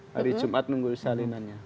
hari jumat nunggu salinannya